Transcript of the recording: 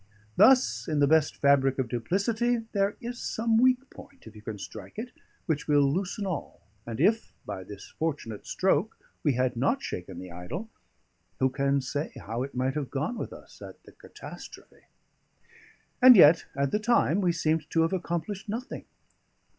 Thus in the best fabric of duplicity there is some weak point, if you can strike it, which will loosen all; and if, by this fortunate stroke, we had not shaken the idol, who can say how it might have gone with us at the catastrophe? And yet at the time we seemed to have accomplished nothing.